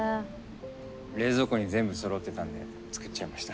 冷蔵庫に全部そろってたんで作っちゃいました。